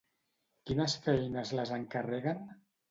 Quines feines les encarreguen?